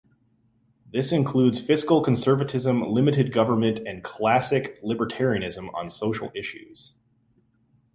This includes fiscal conservatism, limited government, and classic libertarianism on social issues.